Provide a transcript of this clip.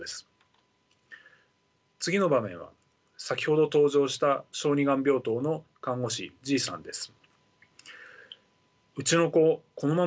次の場面は先ほど登場した小児がん病棟の看護師Ｇさんです。